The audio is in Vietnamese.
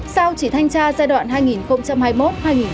sao chỉ thanh tra giai đoạn hai nghìn hai mươi một hai nghìn hai mươi năm